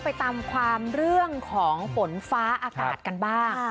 ไปตามความเรื่องของฝนฟ้าอากาศกันบ้าง